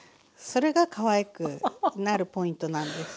⁉それがかわいくなるポイントなんです。